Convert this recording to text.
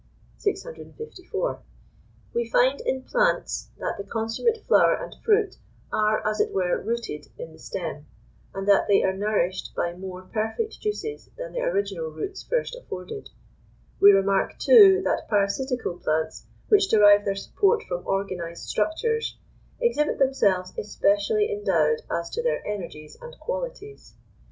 654. We find in plants, that the consummate flower and fruit are, as it were, rooted in the stem, and that they are nourished by more perfect juices than the original roots first afforded; we remark, too, that parasitical plants which derive their support from organised structures, exhibit themselves especially endowed as to their energies and qualities.